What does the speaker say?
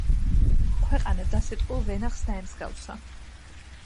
ქვეყანა დასეტყვილ ვენახს დაემსგავსა.